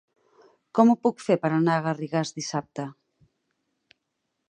Com ho puc fer per anar a Garrigàs dissabte?